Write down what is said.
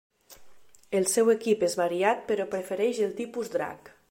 El seu equip és variat, però prefereix el tipus Drac.